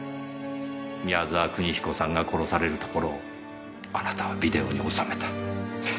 宮澤邦彦さんが殺されるところをあなたはビデオに収めた。